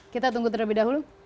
kita tunggu terlebih dahulu